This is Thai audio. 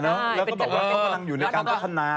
แล้วก็บอกว่าเขากำลังอยู่ในการพัฒนา